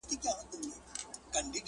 چاویل مور یې بي بي پلار یې اوزبک دی!!